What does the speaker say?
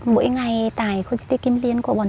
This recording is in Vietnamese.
mỗi ngày tại khu di tích kim liên của bọn chị